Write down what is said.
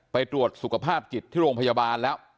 ไปตรวจสุขภาพจิตที่โรงพยาบาลแล้ว